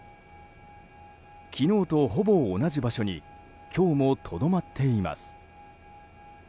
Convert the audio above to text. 昨日とほぼ同じ場所に今日もとどまっています。